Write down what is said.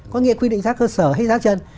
có nghĩa là quy định giá cơ sở hay giá chân